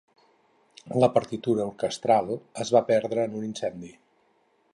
La partitura orquestral es va perdre en un incendi.